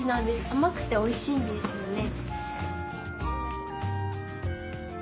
甘くておいしいんですよね。